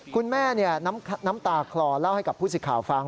คุณแม่น้ำตาคลอเล่าให้กับผู้สิทธิ์ข่าวฟัง